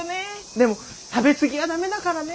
でも食べ過ぎは駄目だからね。